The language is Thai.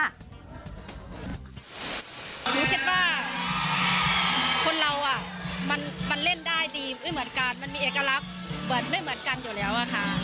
หนูคิดว่าคนเรามันเล่นได้ดีไม่เหมือนกันมันมีเอกลักษณ์เหมือนไม่เหมือนกันอยู่แล้วอะค่ะ